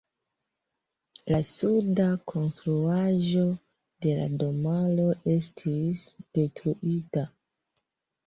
La suda konstruaĵo de la domaro estis detruita.